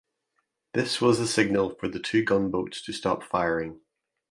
This was the signal for the two gunboats to stop firing.